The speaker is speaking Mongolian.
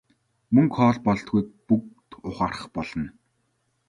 Мөнгө хоол болдоггүйг бүгд ухаарах болно.